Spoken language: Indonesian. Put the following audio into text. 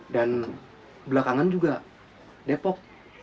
dan belakangan juga depok